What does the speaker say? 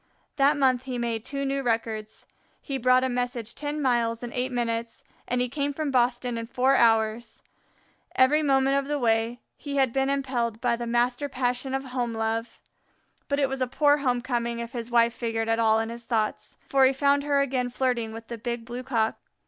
That month he made two new records. He brought a message ten miles in eight minutes, and he came from Boston in four hours. Every moment of the way he had been impelled by the master passion of home love. But it was a poor home coming if his wife figured at all in his thoughts, for he found her again flirting with the Big Blue cock.